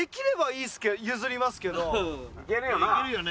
いけるよね？